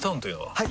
はい！